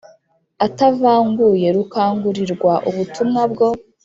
atavanguye rukangurirwa ubutumwa bwo